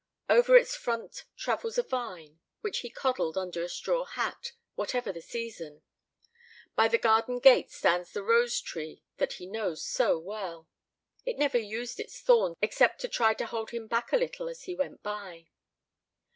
Over its front travels a vine, which he coddled under a straw hat, whatever the season. By the garden gate stands the rose tree that he knows so well it never used its thorns except to try to hold him back a little as he went by.